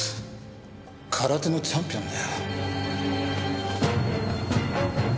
空手のチャンピオンだよ。